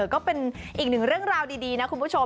ก็เป็นอีกหนึ่งเรื่องราวดีนะคุณผู้ชม